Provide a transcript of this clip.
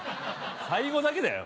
最後だけだよ